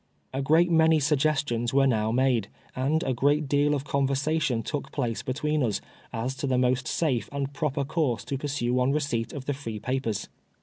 A great many suggestions were now made, and a great deal of convei*sation took place between us, as to the most safe and proper course to pursue on receipt of the free papers.